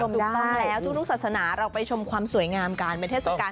ถูกต้องแล้วทุกศาสนาเราไปชมความสวยงามกันเป็นเทศกาล